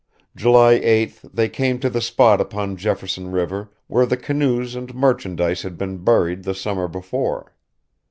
July 8th they came to the spot upon Jefferson River where the canoes and merchandise had been buried the summer before.